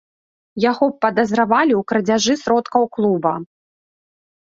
Яго падазравалі ў крадзяжы сродкаў клуба.